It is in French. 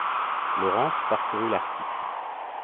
Laurence parcourut l'article.